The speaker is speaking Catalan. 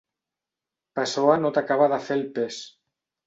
Pessoa no t'acaba de fer el pes.